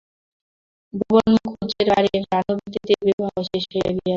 ভুবন মুখুজ্যের বাড়ি রানুর দিদির বিবাহ শেষ হইয়া গিয়াছে বটে।